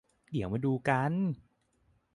เดี๋ยวมาดูกัน